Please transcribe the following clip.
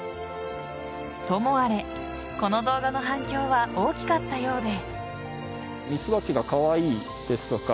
ともあれ、この動画の反響は大きかったようで。